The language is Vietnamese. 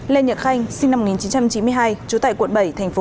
lê nhật khanh sinh năm một nghìn chín trăm chín mươi hai chú tại quận bảy